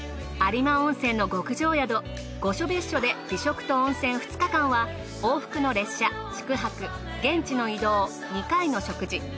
有馬温泉の極上宿御所別墅で美食と温泉２日間は往復の列車宿泊現地の移動２回の食事。